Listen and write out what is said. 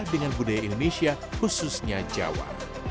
dan budaya indonesia khususnya jawa